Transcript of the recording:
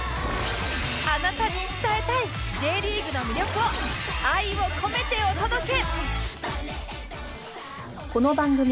あなたに伝えたい Ｊ リーグの魅力を愛を込めてお届け！